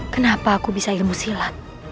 kenapa aku bisa ilmu silat